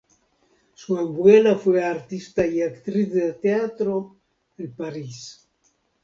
Su abuela fue artista y actriz de teatro en París.